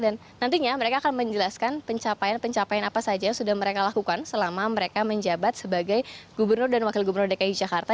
dan nantinya mereka akan menjelaskan pencapaian pencapaian apa saja yang sudah mereka lakukan selama mereka menjabat sebagai gubernur dan wakil gubernur dki jakarta